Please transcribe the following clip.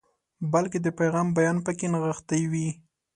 بلکې د پیغام بیان پکې نغښتی وي.